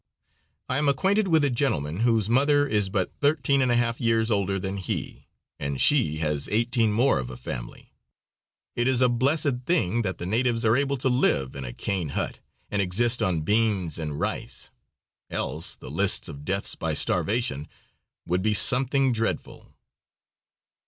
I am acquainted with a gentleman whose mother is but thirteen and a half years older than he, and she has eighteen more of a family. It is a blessed thing that the natives are able to live in a cane hut and exist on beans and rice, else the lists of deaths by starvation would be something dreadful.